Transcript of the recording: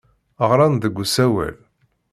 Ɣran-d deg usawal.